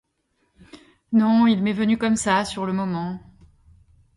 Non… il m’est venu comme ça, sur le moment.